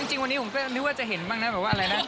จริงวันนี้ผมก็นึกว่าจะเห็นบ้างนะแบบว่าอะไรนะ